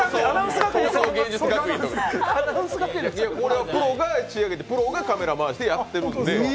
これはプロが仕上げてプロがカメラ回してやってるんで。